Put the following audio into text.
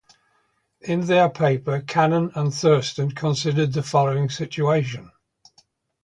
In their paper Cannon and Thurston considered the following situation.